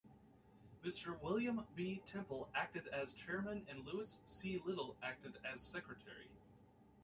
Mr. William B. Temple acted as Chairman and Lewis C. Little acted as Secretary.